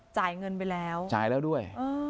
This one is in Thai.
จ่ายเงินไปแล้วจ่ายแล้วด้วย